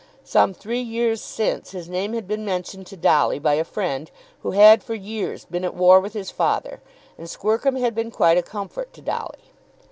Some three years since his name had been mentioned to Dolly by a friend who had for years been at war with his father, and Squercum had been quite a comfort to Dolly.